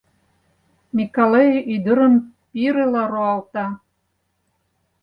Микале ӱдырым пирыла руалта.